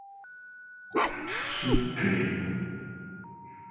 Sukle.